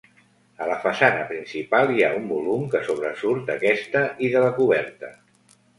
A la façana principal hi ha un volum que sobresurt d'aquesta i de la coberta.